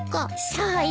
そうよ。